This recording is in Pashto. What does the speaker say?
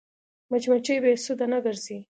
مچمچۍ بې سده نه ګرځي